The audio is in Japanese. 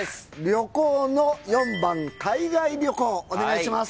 旅行の４番海外旅行お願いします。